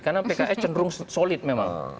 karena pks cenderung solid memang